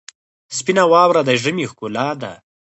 سپینه واوره د ژمي ښکلا ده.